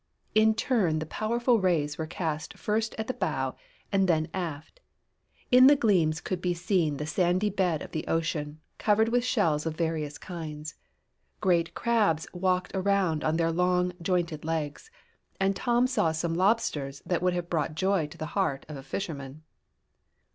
In turn the powerful rays were cast first at the bow and then aft. In the gleams could be seen the sandy bed of the ocean, covered with shells of various kinds. Great crabs walked around on their long, jointed legs, and Tom saw some lobsters that would have brought joy to the heart of a fisherman.